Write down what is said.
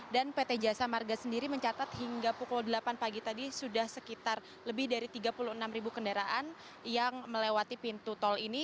dan pt jasa marga sendiri mencatat hingga pukul delapan pagi tadi sudah sekitar lebih dari tiga puluh enam kendaraan yang melewati pintu tol ini